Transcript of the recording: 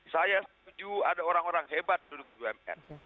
saya setuju ada orang orang hebat duduk di bumn